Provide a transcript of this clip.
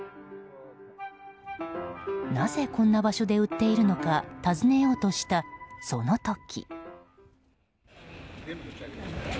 なぜ、こんな場所で売っているのか尋ねようとした、その時。